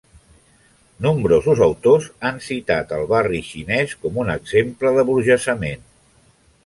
Nombrosos autors han citat el Barri Xinès com un exemple d'aburgesament.